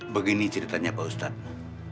begini ceritanya pak ustadz